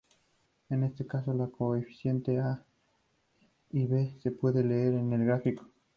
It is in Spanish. En este caso los coeficientes a y b se pueden leer en el gráfico.